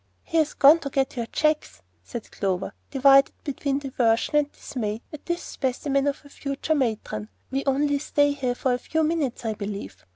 "He has gone to get your checks," said Clover, divided between diversion and dismay at this specimen of her future "matron." "We only stay here a few minutes, I believe.